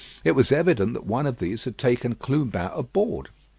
It was evident that one of these had taken Clubin aboard.